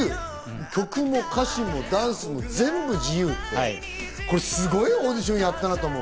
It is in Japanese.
曲も歌詞もダンスも全部自由って、これ、すごいオーディションやったなと思う。